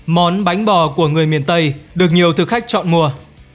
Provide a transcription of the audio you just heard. món bánh bò của người miền tây được nhiều thực khách chọn mua